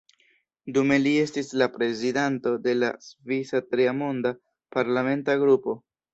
Dume li estis la prezidanto de la “svisa-Tria Monda” parlamenta grupo.